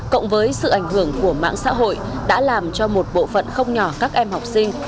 cộng với sự ảnh hưởng của mạng xã hội đã làm cho một bộ phận không nhỏ các em học sinh